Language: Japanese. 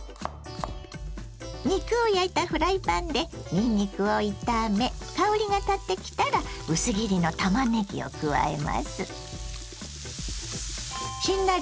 肉を焼いたフライパンでにんにくを炒め香りがたってきたら薄切りのたまねぎを加えます。